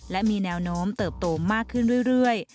และมีแนวโน้มเติบโตมากขึ้นเรื่อย